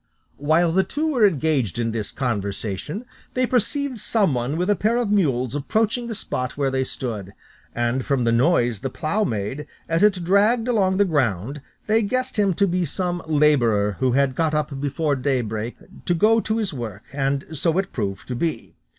While the two were engaged in this conversation, they perceived some one with a pair of mules approaching the spot where they stood, and from the noise the plough made, as it dragged along the ground, they guessed him to be some labourer who had got up before daybreak to go to his work, and so it proved to be.